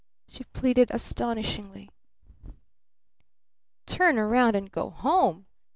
she pleaded astonishingly. "Turn round and go home?"